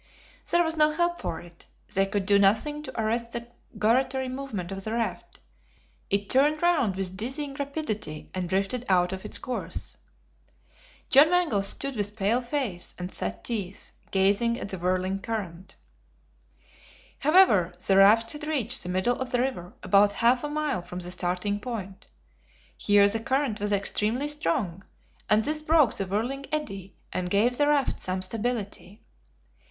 There was no help for it; they could do nothing to arrest the gyratory movement of the raft; it turned round with dizzying rapidity, and drifted out of its course. John Mangles stood with pale face and set teeth, gazing at the whirling current. However, the raft had reached the middle of the river, about half a mile from the starting point. Here the current was extremely strong, and this broke the whirling eddy, and gave the raft some stability.